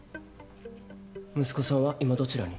息子さんは今どちらに？